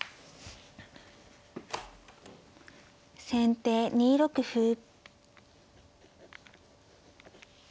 先手２六歩。